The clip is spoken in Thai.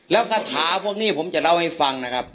แล้วคาถาพวกนี้ผมจะเล่าให้ฟังนะครับ